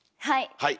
はい。